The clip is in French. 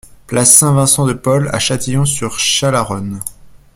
Place Saint-Vincent de Paul à Châtillon-sur-Chalaronne